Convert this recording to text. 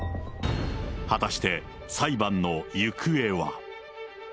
果たして裁判の行方は。